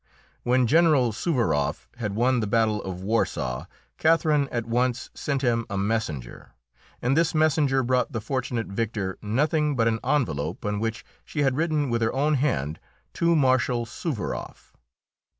When General Suvaroff had won the battle of Warsaw, Catherine at once sent him a messenger, and this messenger brought the fortunate victor nothing but an envelope on which she had written with her own hand, "To Marshal Suvaroff."